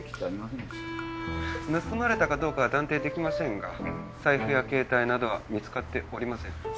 盗まれたかどうかは断定できませんが財布や携帯などは見つかっておりません。